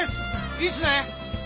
いいっすね？